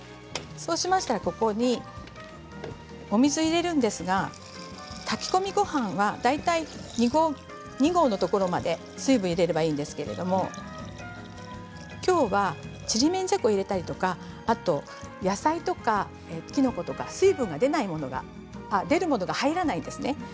そうしたらここにお水を入れるんですが炊き込みごはんは大体２合のところまで水分を入れればいいんですけれどきょうは、ちりめんじゃこを入れたりとかあと野菜とかきのことか水分が出るものが入らないですね。